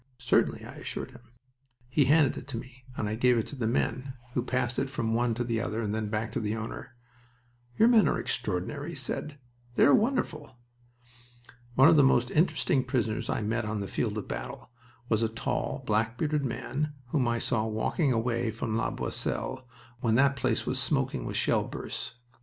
"Certainly," I assured him. He handed it to me, and I gave it to the men, who passed it from one to the other and then back to the owner. "Your men are extraordinary," he said. "They are wonderful." One of the most interesting prisoners I met on the field of battle was a tall, black bearded man whom I saw walking away from La Boisselle when that place was smoking with shell bursts.